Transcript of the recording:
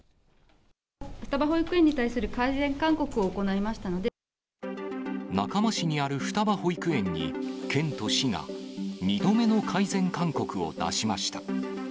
双葉保育園に対する改善勧告中間市にある双葉保育園に、県と市が、２度目の改善勧告を出しました。